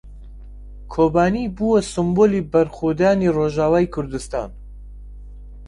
کۆبانێ بووە سمبولی بەرخۆدانی ڕۆژاوای کوردستان.